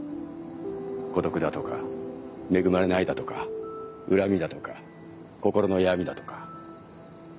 孤独だとか恵まれないだとか恨みだとか心の闇だとか。